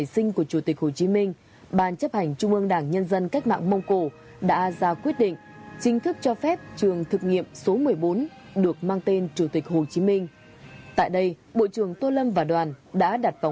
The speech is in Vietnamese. xin chào và hẹn gặp lại trong các bộ phim tiếp theo